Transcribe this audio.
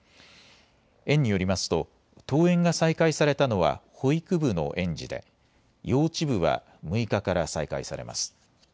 園によりますと登園が再開されたのは保育部の園児で幼稚部は６日から再開されます。